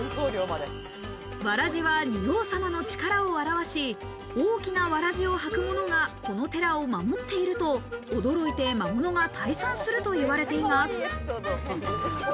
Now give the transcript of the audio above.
わらじは仁王像の力を表し、大きなわらじを履くものが、この寺を守っていると驚いて魔物が退散するといわれています。